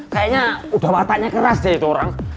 kayaknya udah wataknya keras deh itu orang